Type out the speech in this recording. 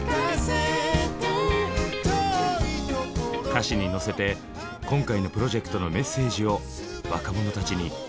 歌詞に乗せて今回のプロジェクトのメッセージを若者たちに届けてくれました。